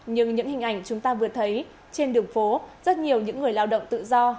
nhưng những hình ảnh chúng ta vừa thấy trên đường phố rất nhiều những người lao động tự do